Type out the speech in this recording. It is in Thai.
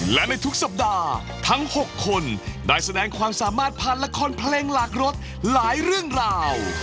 และในทุกสัปดาห์ทั้ง๖คนได้แสดงความสามารถผ่านละครเพลงหลากรถหลายเรื่องราว